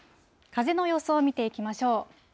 風の予想を見ていきましょう。